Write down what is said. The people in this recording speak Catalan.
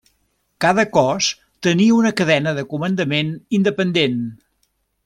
Cada cos tenia una cadena de comandament independent.